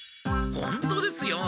ほんとですよ。